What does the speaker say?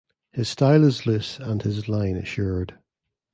His style is loose and his line assured.